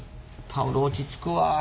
タオル落ち着くわあ。